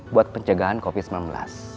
buat pencegahan covid sembilan belas